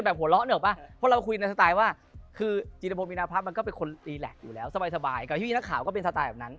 แต่เราคุยกันแบบหัวล้อนเองเหรอป่ะ